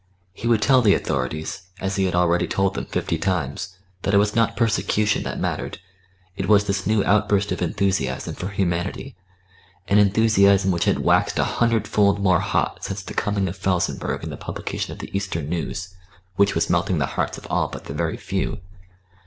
He would tell the authorities, as he had already told them fifty times, that it was not persecution that mattered; it was this new outburst of enthusiasm for Humanity an enthusiasm which had waxed a hundredfold more hot since the coming of Felsenburgh and the publication of the Eastern news which was melting the hearts of all but the very few.